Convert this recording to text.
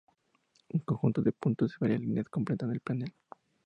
Un conjunto de puntos y varias líneas completan el panel.